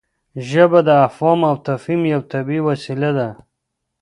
ژبه د افهام او تفهیم یوه طبیعي وسیله ده.